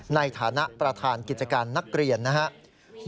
ในฐานะประธานกิจการนักเรียนนะครับ